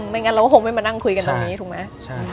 ไม่งั้นเราก็คงไม่มานั่งคุยกันตรงนี้ถูกไหม